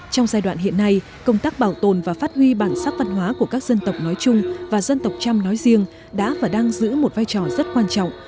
trong giai đoạn hiện nay công tác bảo tồn và phát huy bản sắc văn hóa của các dân tộc nói chung và dân tộc trăm nói riêng đã và đang giữ một vai trò rất quan trọng